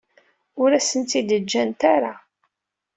Ur asen-tt-id-ǧǧant ara.